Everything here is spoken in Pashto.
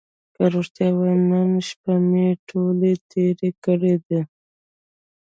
که رښتیا ووایم نن شپه مې ټولې تېرې کړې دي.